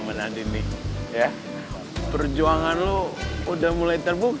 menandimu ya perjuangan lu udah mulai terjadi